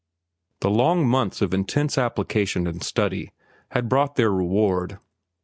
The long months of intense application and study had brought their reward.